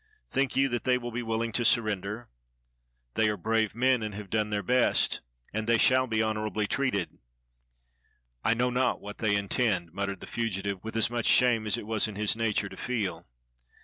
"Think you that they will be wilUng to surrender? They are brave men, and have done their best, and they shall be honorably treated." "I know not what they intend," muttered the fugi tive, with as much shame as it was in his nature to feel.